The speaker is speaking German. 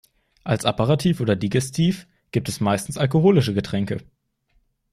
Als Aperitif oder Digestif gibt es meistens alkoholische Getränke.